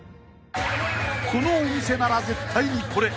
［このお店なら絶対にこれ］